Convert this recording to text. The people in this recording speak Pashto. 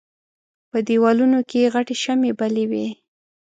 په دېوالونو کې غټې شمعې بلې وې.